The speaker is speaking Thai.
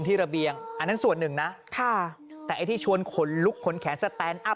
ทิลลิทิลลิปอมหลับตาเจอร่วงให้เร็ว